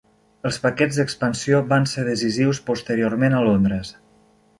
Els paquets d"expansió van ser decisius posteriorment a Londres.